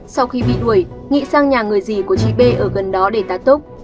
sau khi bị đuổi nghị sang nhà người dì của chị b ở gần đó để tác tốc